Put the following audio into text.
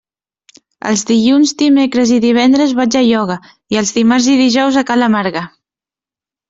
Els dilluns, dimecres i divendres vaig a ioga i els dimarts i dijous a ca la Marga.